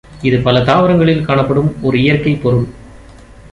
இது பல தாவரங்களில் காணப்படும் ஒரு இயற்கை பொருள்.